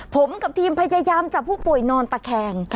ผมกับทีมพยายามจับผู้ป่วยนอนตะแคง